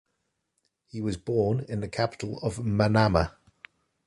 He was born in the capital of Manama.